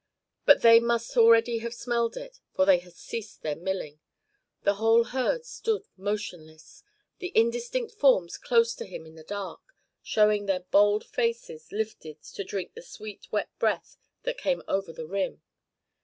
But they must already have smelled it, for they had ceased their milling. The whole herd stood motionless, the indistinct forms close to him in the dark, showing their bald faces lifted to drink the sweet wet breath that came over the rim.